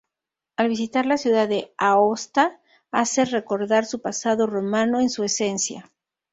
Al visitar la ciudad de Aosta, hace recordar su pasado romano en su esencia.